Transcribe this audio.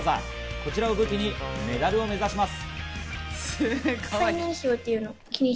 こちらを武器にメダルを目指します。